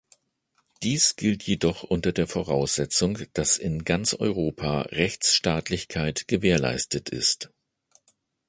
Dies gilt jedoch unter der Voraussetzung, dass in ganz Europa Rechtsstaatlichkeit gewährleistet ist.